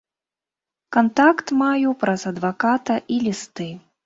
Кантакт маю праз адваката і лісты.